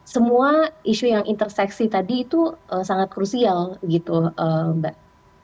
semua isu yang interseksi tadi itu sangat krusial gitu mbak